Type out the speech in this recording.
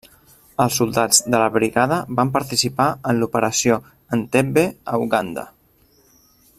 Els soldats de la Brigada van participar en l'Operació Entebbe a Uganda.